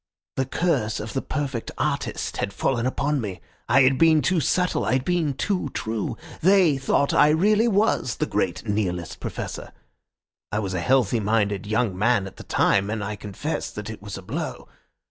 The curse of the perfect artist had fallen upon me. I had been too subtle, I had been too true. They thought I really was the great Nihilist Professor. I was a healthy minded young man at the time, and I confess that it was a blow.